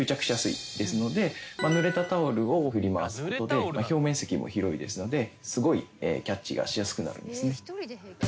ぬれたタオルを振り回すことで表面積も広いですのですごいキャッチがしやすくなるんです。